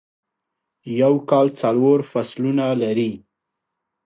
یو کال څلور فصلونه لری